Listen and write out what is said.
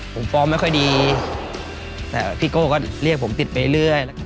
ผมฟอร์มไม่ค่อยดีแต่พี่โก้ก็เรียกผมติดไปเรื่อย